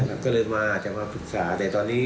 เราก็เลยมาอาจจะมาฝึกภาษาแต่ตอนนี้